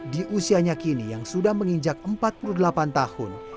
di usianya kini yang sudah menginjak empat puluh delapan tahun